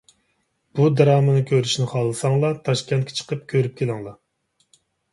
بۇ دىرامىنى كۆرۈشنى خالىساڭلار، تاشكەنتكە چىقىپ كۆرۈپ كېلىڭلار.